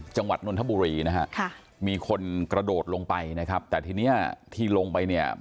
นนทบุรีนะฮะค่ะมีคนกระโดดลงไปนะครับแต่ทีเนี้ยที่ลงไปเนี่ย